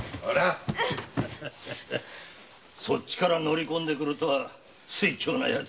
そっちから乗りこんでくるとは酔狂なヤツ！